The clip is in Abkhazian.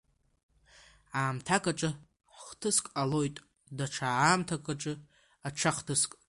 Аамҭак аҿы хҭыск ҟалоит, даҽа аамҭак аҿы аҽа хҭыск.